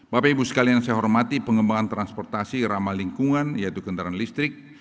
bapak ibu sekalian saya hormati pengembangan transportasi ramah lingkungan yaitu kendaraan listrik